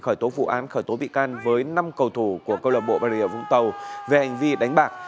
khởi tố vụ án khởi tố bị can với năm cầu thủ của câu lạc bộ bà rịa vũng tàu về hành vi đánh bạc